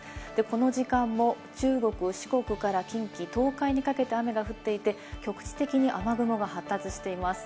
この時間も、中国、四国から近畿、東海にかけて雨が降っていて、局地的に雨雲が発達しています。